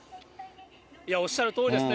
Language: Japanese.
いや、おっしゃるとおりですね。